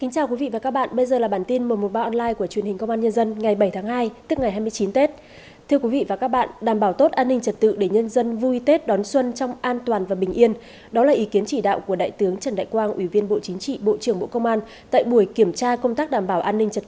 cảm ơn các bạn đã theo dõi